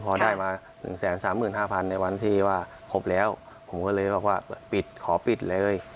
พอได้มา๑๓๕๐๐๐ในวันที่ว่าครบแล้วผมก็เลยบอกว่าปิดขอปิดเลย